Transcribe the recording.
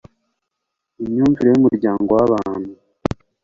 imyumvire y'umuryango w'abantu